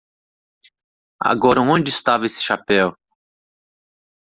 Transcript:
Agora onde estava esse chapéu?